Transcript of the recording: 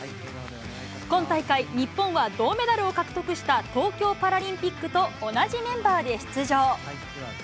今大会、日本は銅メダルを獲得した東京パラリンピックと同じメンバーで出場。